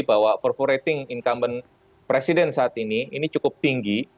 bahwa proper rating incumbent presiden saat ini cukup tinggi